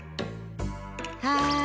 はい。